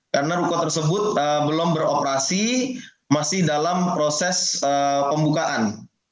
karena ruko tersebut belum beroperasi masih dalam proses pembukaan